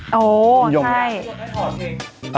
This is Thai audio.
โอ้โฮใช่อย่างนี้ที่ยุทธ์ได้ถอดเทง